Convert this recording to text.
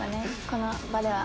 この場では。